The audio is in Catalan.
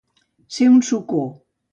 Ser un socó.